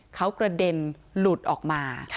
เขากระเด็นหลุดออกมา